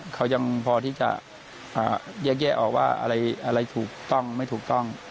เขายังพอที่จะแยกแยะออกว่าอะไรถูกต้องไม่ถูกต้อง